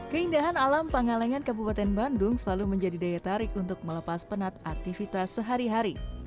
keindahan alam pangalengan kabupaten bandung selalu menjadi daya tarik untuk melepas penat aktivitas sehari hari